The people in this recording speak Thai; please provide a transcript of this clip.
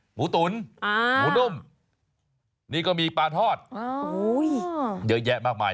หมูตุ๋นหมูนุ่มนี่ก็มีปลาทอดเยอะแยะมากมาย